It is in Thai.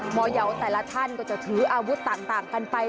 หมอยาวแต่ละท่านก็จะถืออาวุธต่างกันไป